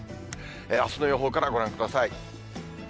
あすの予報からご覧ください。